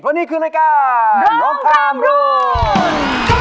เพราะนี่คือรายการร้องข้ามรุ่น